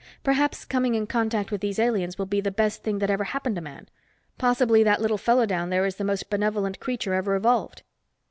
Perhaps coming in contact with these aliens will be the best thing that ever happened to man. Possibly that little fellow down there is the most benevolent creature ever evolved."